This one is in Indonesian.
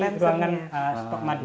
ini ruangan stok madu